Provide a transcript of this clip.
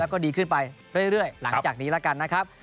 แล้วก็ดีขึ้นไปเรื่อยหลังจากนี้แล้วกันนะครับ